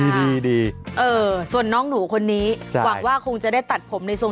ดีส่วนน้องหรูคนนี้หวังว่าคงจะได้ตัดผมในส่วน